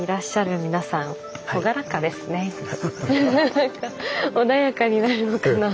なんか穏やかになるのかなあ。